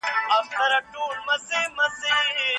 آیا د مسمومیت تداوي په لومړیو ساعتونو کې ډېره اسانه ده؟